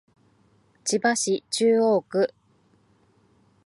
千葉市中央区